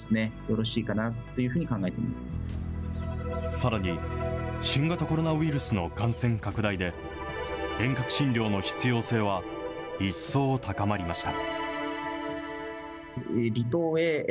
さらに、新型コロナウイルスの感染拡大で、遠隔診療の必要性は一層高まりました。